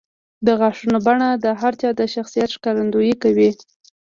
د غاښونو بڼه د هر چا د شخصیت ښکارندویي کوي.